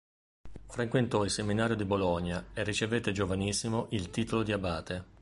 Frequentò il seminario di Bologna e ricevette giovanissimo il titolo di abate.